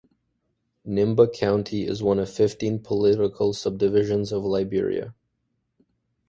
Nimba County is one of fifteen political subdivisions of Liberia.